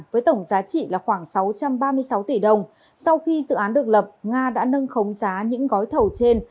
với tổng giá trị là khoảng sáu trăm ba mươi sáu tỷ đồng sau khi dự án được lập nga đã nâng khống giá những gói thầu trên